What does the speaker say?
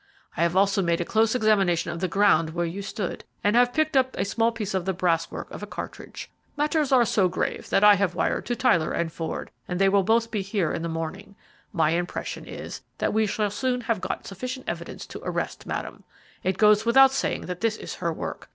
I have also made a close examination of the ground where you stood, and have picked up a small piece of the brasswork of a cartridge. Matters are so grave that I have wired to Tyler and Ford, and they will both be here in the morning. My impression is that we shall soon have got sufficient evidence to arrest Madame. It goes without saying that this is her work.